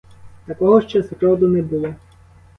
Такого ще зроду не було.